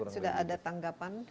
sudah ada tanggapan